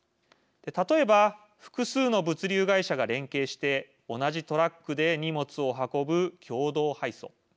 例えば複数の物流会社が連携して同じトラックで荷物を運ぶ共同配送。